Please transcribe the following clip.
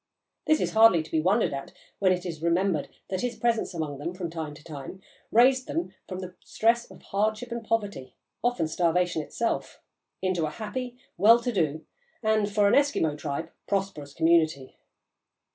This is hardly to be wondered at, when it is remembered that his presence among them, from time to time, raised them from the stress of hardship and poverty, often starvation itself, into a happy, well to do, and, for an Eskimo tribe, prosperous community.